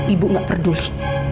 ibu gak peduli